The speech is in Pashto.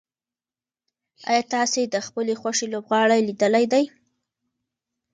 ایا تاسي د خپلې خوښې لوبغاړی لیدلی دی؟